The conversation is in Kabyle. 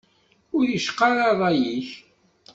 Ur iy-icqa ara rray-ik.